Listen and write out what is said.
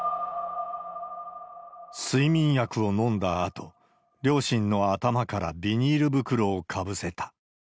睡眠薬を飲んだあと、両親の頭からビニール袋をかぶせた。